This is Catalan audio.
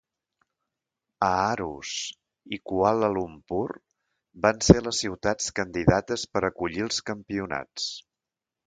Aarhus i Kuala Lumpur van ser les ciutats candidates per acollir els campionats.